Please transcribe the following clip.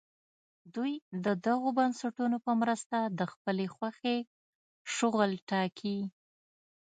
دوی د دغو بنسټونو په مرسته د خپلې خوښې شغل ټاکي.